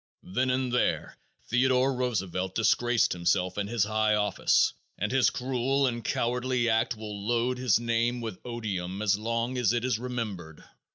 Then and there Theodore Roosevelt disgraced himself and his high office, and his cruel and cowardly act will load his name with odium as long as it is remembered.